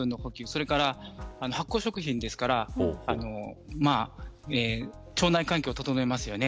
それから発酵食品ですから腸内環境を整えますよね。